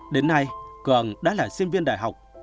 đến nay cường đã là sinh viên đại học